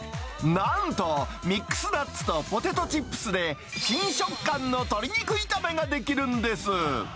なんと、ミックスナッツとポテトチップスで、新食感の鶏肉炒めができるのです。